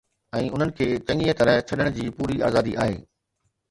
۽ انھن کي چڱيءَ طرح ڇڏڻ جي پوري آزادي آھي